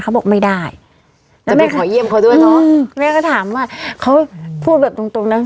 เขาบอกไม่ได้แล้วแม่ขอเยี่ยมเขาด้วยเนอะแม่ก็ถามว่าเขาพูดแบบตรงตรงนะ